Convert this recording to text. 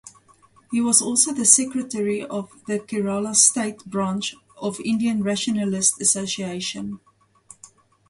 He was also the secretary of the Kerala state branch of Indian Rationalist Association.